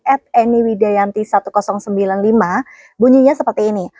at anywidayanti seribu sembilan puluh lima bunyinya seperti ini